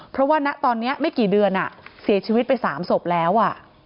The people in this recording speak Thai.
เพราะว่าณตอนนี้ไม่กี่เดือนเสียชีวิตไป๓ศพแล้ว